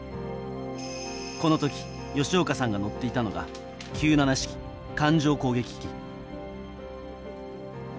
この時、吉岡さんが乗っていたのが九七式艦上攻撃機。